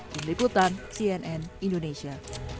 meliputan cnn indonesia